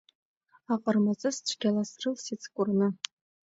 Аҟармаҵыс цәгьала срылсит скәырны.